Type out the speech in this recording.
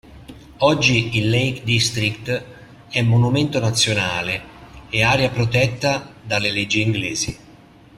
Oggi il Lake District è monumento nazionale e area protetta dalle leggi inglesi.